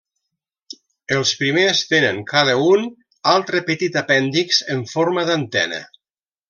Els primers tenen cada un altre petit apèndix en forma d'antena.